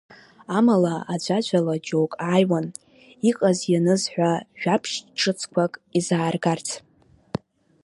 Амала аӡәаӡәала џьоук ааиуан, иҟаз-ианыз ҳәа, жәабжь ҿыцқәак изааргарц.